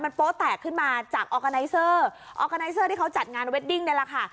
โป๊แตกขึ้นมาจากออร์กาไนเซอร์ออร์กาไนเซอร์ที่เขาจัดงานเวดดิ้งนี่แหละค่ะ